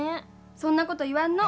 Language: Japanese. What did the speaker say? そんなこと言わんの。